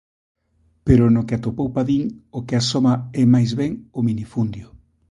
Pero no que atopou Padín o que asoma é máis ben o minifundio.